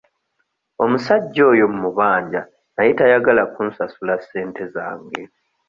Omusajja oyo mmubanja naye tayagala kunsasula ssente zange.